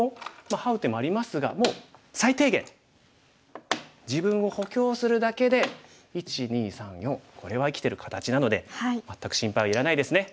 ハウ手もありますがもう最低限自分を補強するだけで１２３４これは生きてる形なので全く心配はいらないですね。